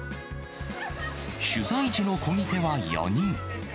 取材時のこぎ手は４人。